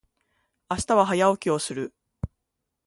明日は早起きをする。